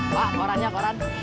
pak korannya koran